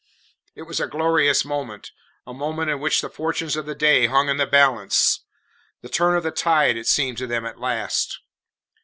It was a glorious moment, a moment in which the fortunes of the day hung in the balance; the turn of the tide it seemed to them at last.